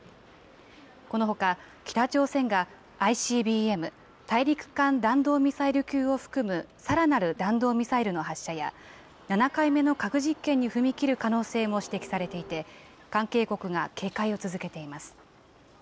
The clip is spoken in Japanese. このほか北朝鮮が、ＩＣＢＭ・大陸間弾道ミサイル級を含むさらなる弾道ミサイルの発射や、７回目の核実験に踏み切る可能性も指摘されていて、関係国が警戒を続けています。